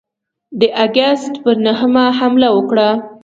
د آګسټ پر نهمه حمله وکړه.